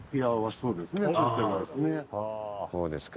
そうですか。